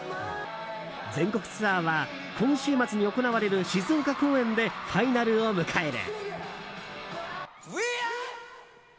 全国ツアーは、今週末に行われる静岡公演でファイナルを迎える。